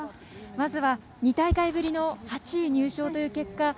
まずは２大会ぶりの８位入賞という結果。